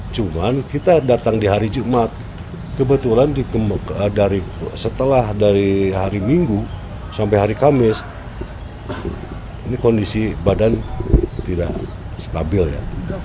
cuman kita datang di hari jumat kebetulan setelah dari hari minggu sampai hari kamis ini kondisi badan tidak stabil ya